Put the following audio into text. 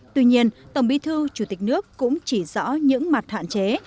tuy nhiên tổng bí thư chủ tịch nước cũng chỉ rõ những mặt hạn chế